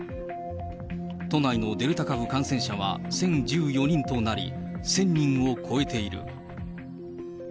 都内のデルタ株感染者は１０１４人となり、１０００人を超えている。